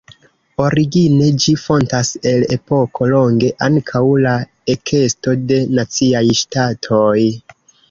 Origine ĝi fontas el epoko longe ankaŭ la ekesto de naciaj ŝtatoj.